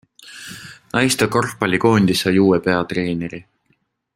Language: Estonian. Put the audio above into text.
Naiste korvpallikoondis sai uue peatreeneri!